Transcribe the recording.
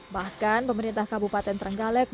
bahkan pemerintah kabupaten trenggalek